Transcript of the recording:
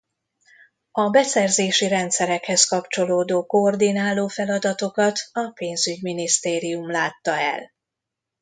A beszerzési rendszerekhez kapcsolódó koordináló feladatokat a Pénzügyminisztérium látta el.